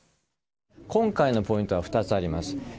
今回のポイントは２つあります。